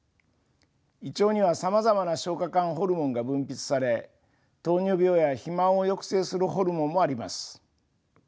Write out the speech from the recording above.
胃腸にはさまざまな消化管ホルモンが分泌され糖尿病や肥満を抑制するホルモンもあります。